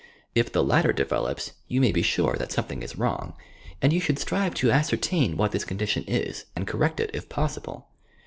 If the latter develops you may be sure that something is wrong, and you should strive to ascertain what this condition is, and correct it if possible.